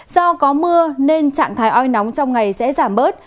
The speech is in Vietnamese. do có mưa nên trạng thái oi nóng trong ngày sẽ giảm bớt